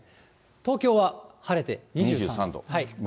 東京は晴れて２３度。